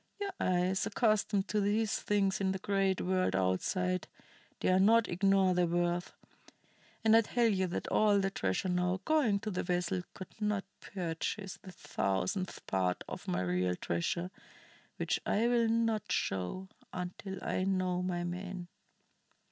Your eyes, accustomed to these things in the great world outside, dare not ignore their worth. And I tell ye that all the treasure now going to the vessel could not purchase the thousandth part of my real treasure, which I will not show, until I know my man."